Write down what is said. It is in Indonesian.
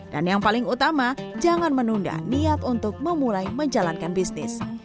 dan yang paling utama jangan menunda niat untuk memulai menjalankan bisnis